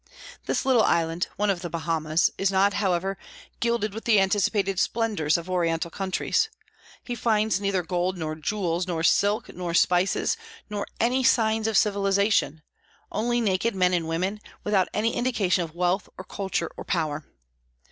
This little island, one of the Bahamas, is not, however, gilded with the anticipated splendors of Oriental countries. He finds neither gold, nor jewels, nor silks, nor spices, nor any signs of civilization; only naked men and women, without any indication of wealth or culture or power.